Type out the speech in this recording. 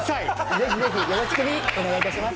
ぜひぜひ、よろちくび、お願いします。